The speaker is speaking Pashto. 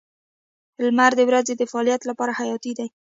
• لمر د ورځې د فعالیت لپاره حیاتي دی.